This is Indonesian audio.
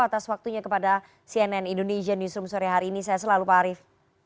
atas waktunya kepada cnn indonesian newsroom sore hari ini saya selalu pak arief